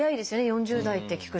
４０代って聞くと。